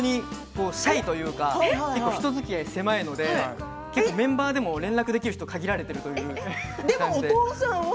松村北斗はシャイというか人づきあいが狭いのでメンバーでも連絡できる人は限られているんです。